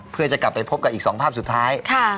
เพื่อจะกลับไปพบกับอีก๒ภาพสุดท้าย